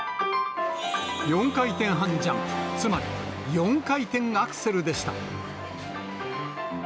４回転半ジャンプ、つまり４回転アクセルでした。